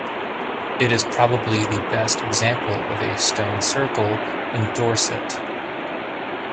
It is probably the best example of a stone circle in Dorset.